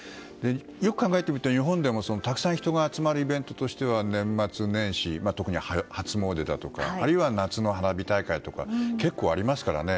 よく考えてみると日本でもたくさん人が集まるイベントとしては年末年始、特に初詣だとかあるいは夏の花火大会とか結構、ありますからね。